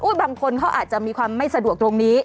บางคนเขาอาจจะมีความไม่สะดวกตรงนี้